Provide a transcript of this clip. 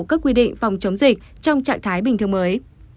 các quy định phòng chống dịch trong trạng thái bình thường mới